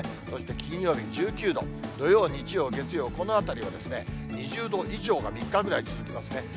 そして金曜日１９度、土曜、日曜、月曜、このあたりは２０度以上が３日ぐらい続きますね。